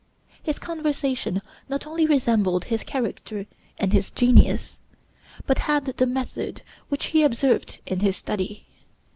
His conversation not only resembled his character and his genius, but had the method which he observed in his study.